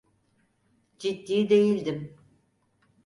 Ciddi değildim.